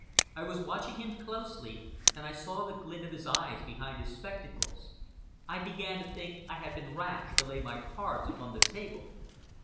I was watching him closely, and I saw the glint of his eyes behind his spectacles. I began to think I had been rash to lay my cards upon the table.